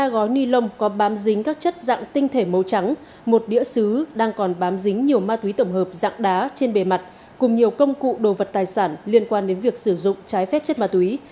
ba gói ni lông có bám dính các chất dạng tinh thể màu trắng một đĩa xứ đang còn bám dính nhiều ma túy tổng hợp dạng đá trên bề mặt cùng nhiều công cụ đồ vật tài sản liên quan đến việc sử dụng trái phép chất ma túy